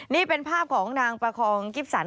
นี่เป็นภาพของนางประคองกิฟสัน